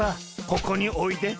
ここにおいで。